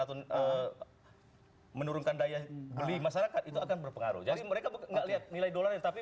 atau menurunkan daya beli masyarakat itu akan berpengaruh jadi mereka enggak lihat nilai dolarnya tapi